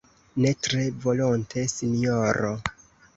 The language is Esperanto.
ne tre volonte, sinjoro.